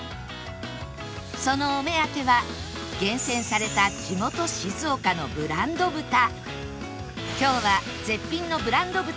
そのお目当ては厳選された地元今日は絶品のブランド豚を使った